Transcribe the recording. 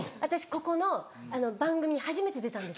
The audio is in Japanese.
ここの番組に初めて出たんです。